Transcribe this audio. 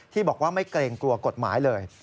บอกว่าไม่เกรงกลัวกฎหมายเลย